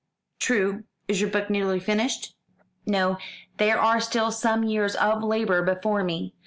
"True. Is your book nearly finished?" "No. There are still some years of labour before me.